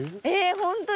本当に？